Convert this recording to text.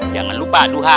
jangan lupa duha